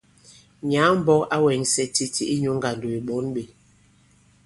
Nyǎŋ-mbɔk ǎ wɛŋsɛ titi inyū ŋgàndò ì ɓɔ̌n ɓē.